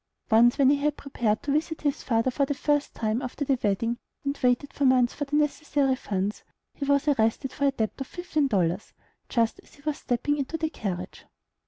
Once when he had prepared to visit his father for the first time after the wedding, and had waited months for the necessary funds, he was arrested for a debt of fifteen dollars, just as he was stepping into the carriage.